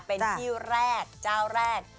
เป็นที่แรกเจ้าแรก